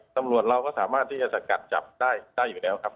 ตำรวจเราก็สามารถที่จะสกัดจับได้อยู่แล้วครับ